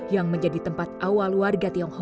yang menjadi tempat awal warga tionghoa